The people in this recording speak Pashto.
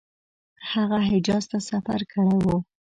هغه حجاز ته سفر کړی وو.